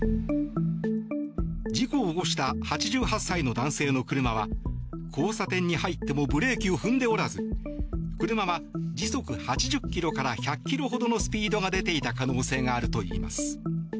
事故を起こした８８歳の男性の車は交差点に入ってもブレーキを踏んでおらず車は時速８０キロから１００キロほどのスピードが出ていた可能性があるといいます。